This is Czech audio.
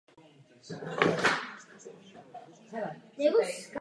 Jeho starším bratrem byl hudební skladatel Richard Fuchs.